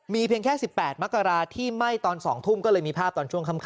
เพียงแค่๑๘มกราที่ไหม้ตอน๒ทุ่มก็เลยมีภาพตอนช่วงค่ำ